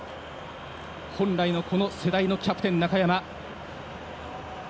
本来のこの世代のキャプテン中山。